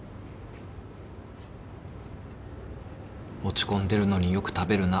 落ち込んでるのによく食べるな。